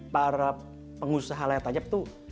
para pengusaha layar tancap itu